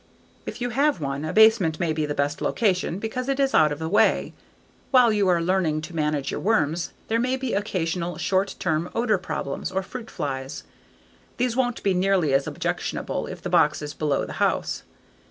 If you have one, a basement may be the best location because it is out of the way. While you are learning to manage your worms there may be occasional short term odor problems or fruit flies; these won't be nearly as objectionable if the box is below the house.